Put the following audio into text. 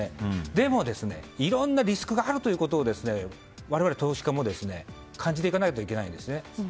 でも、いろんなリスクがあるということを我々投資家も感じていかないといけないですね。